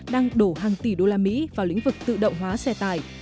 đang đổ hàng tỷ đô la mỹ vào lĩnh vực tự động hóa xe tải